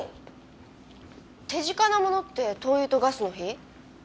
手近な物って灯油とガスの火？